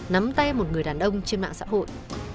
nắm tay một người đàn ông trên mạng xã hội